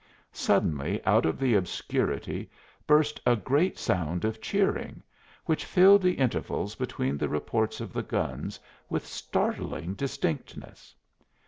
Suddenly out of the obscurity burst a great sound of cheering, which filled the intervals between the reports of the guns with startling distinctness!